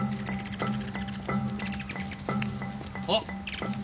あっ！